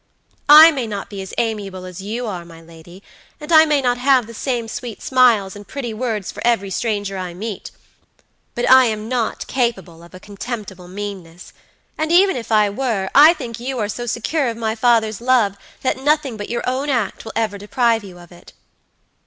"I may not be as amiable as you are, my lady, and I may not have the same sweet smiles and pretty words for every stranger I meet, but I am not capable of a contemptible meanness; and even if I were, I think you are so secure of my father's love, that nothing but your own act will ever deprive you of it."